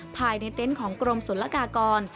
ภายในเต็นต์ของกรมศุลกากร